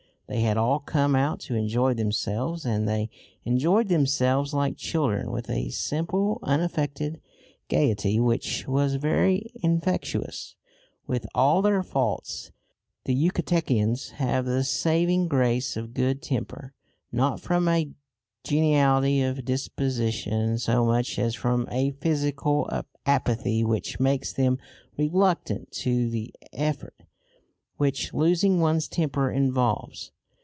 They had all come out to enjoy themselves, and they enjoyed themselves like children, with a simple unaffected gaiety which was very infectious. With all their faults the Yucatecans have the saving grace of good temper, not from a geniality of disposition so much as from a physical apathy which makes them reluctant to the effort which losing one's temper involves.